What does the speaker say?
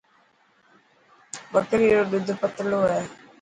ٻڪري رو ڏوڌ پتلي هي.